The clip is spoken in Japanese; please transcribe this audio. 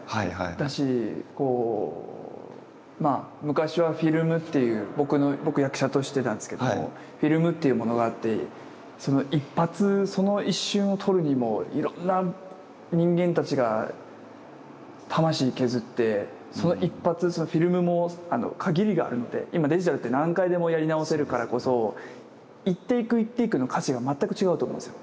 だし昔はフィルムっていう僕役者としてなんですけどフィルムっていうものがあってその一発その一瞬を撮るにもいろんな人間たちが魂削ってその一発フィルムも限りがあるので今デジタルって何回でもやり直せるからこそ１テイク１テイクの価値が全く違うと思うんですよ。